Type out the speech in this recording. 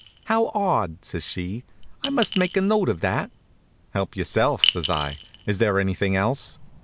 "How odd!" says she. "I must make a note of that." "Help yourself," says I. "Is there anything else?"